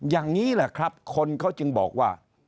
อย่างนี้แหละครับคนเขาจึงบอกว่า